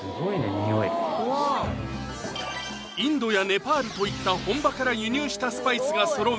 匂いインドやネパールといった本場から輸入したスパイスがそろう